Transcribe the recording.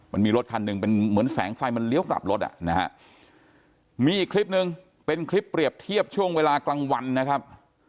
มันมีรถคันหนึ่งเป็นเหมือนแสงไฟมันเลี้ยวกลับรถอ่ะนะฮะมีอีกคลิปหนึ่งเป็นคลิปเปรียบเทียบช่วงเวลากลางวันนะครับ